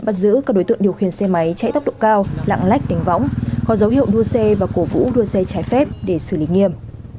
bắt giữ các đối tượng điều khiển xe máy chạy tốc độ cao lạng lách đánh võng có dấu hiệu đua xe và cổ vũ đua xe trái phép để xử lý nghiêm